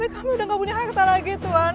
kami udah gak punya harga lagi tuhan